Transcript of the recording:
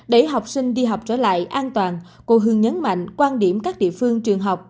để học sinh đi học trở lại an toàn cô hương nhấn mạnh quan điểm các địa phương trường học